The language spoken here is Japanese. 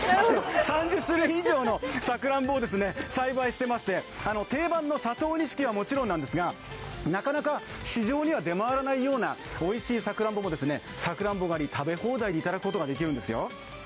３０種類以上の品種を栽培してまして、定番の佐藤錦はもちろんなんですが、なかなか市場には出回らないようなおいしいさくらんぼも食べ放題でいただくことができるんです。